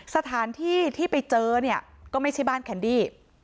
สถานที่ที่ไปเจอเนี่ยก็ไม่ใช่บ้านแคนดี้